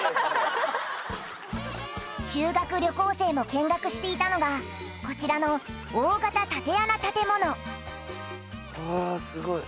修学旅行生も見学していたのがこちらのあすごい。